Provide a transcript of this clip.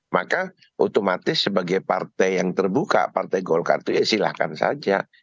maka otomatis sebagai partai yang terbuka partai golkar itu ya silahkan saja